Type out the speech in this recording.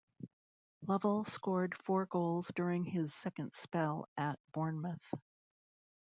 Lovell scored four goals during his second spell at Bournemouth.